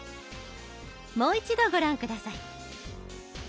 もう一度ご覧下さい。